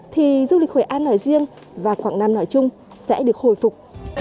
thì du lịch hồi an nổi riêng và quảng nam nổi chung sẽ được hồi phục